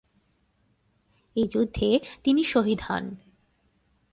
এই যুদ্ধে তিনি শহীদ হন।